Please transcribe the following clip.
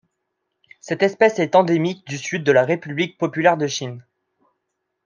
Cette espèce est endémique du Sud de la République populaire de Chine.